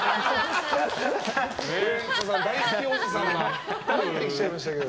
大好きおじさんが入ってきましたけど。